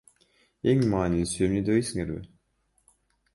Эң маанилүүсү эмне дебейсиңерби?